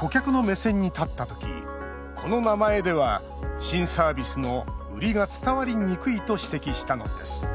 顧客の目線に立った時この名前では新サービスの売りが伝わりにくいと指摘したのです